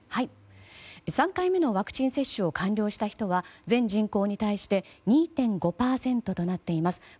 ３回目のワクチン接種を完了した人は全人口に対して２．５％となっています。